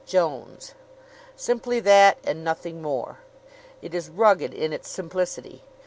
JONES Simply that and nothing more. It is rugged in its simplicity.